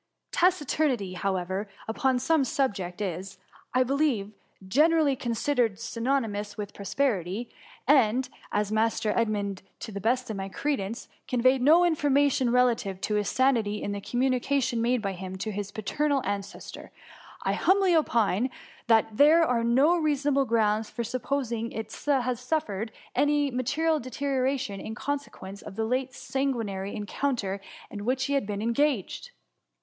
Taciturnity, however, upon some subjects, is, I believe, generally considered sy nonymous with prosperity ; and, as Master Ed mund, to the best of my credence, conveyed no information relative to his sanity in the t^om munication made by him to his paternal an cestor, I humbly opine that there arelno rea sonable grounds for supposing it has suffered any material deterioration in consequence of the late sanguinary encounter in which he has been engaged.